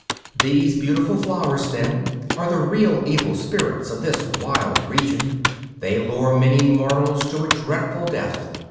These beautiful flowers, then, are the real evil spirits of this wild region; they lure many mortals to a dreadful death.